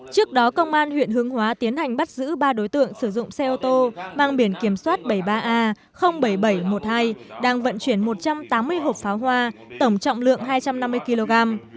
trước đó công an huyện hướng hóa tiến hành bắt giữ ba đối tượng sử dụng xe ô tô mang biển kiểm soát bảy mươi ba a bảy nghìn bảy trăm một mươi hai đang vận chuyển một trăm tám mươi hộp pháo hoa tổng trọng lượng hai trăm năm mươi kg